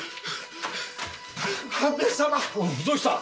どうした？